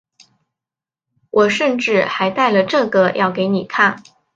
我甚至还带了这个要给你看